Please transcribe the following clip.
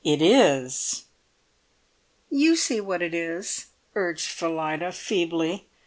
"It is." "You see what it is!" urged Phillida, feebly.